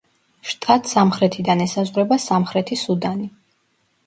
შტატს სამხრეთიდან ესაზღვრება სამხრეთი სუდანი.